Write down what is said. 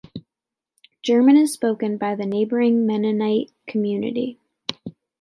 German is spoken by the neighbouring Mennonite community.